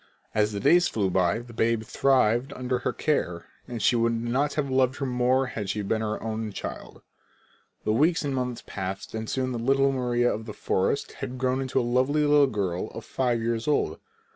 As the days flew by and the babe thrived under her care, she could not have loved her more had she been her own child. The weeks and months passed and soon the little Maria of the forest had grown into a lovely little girl five years old.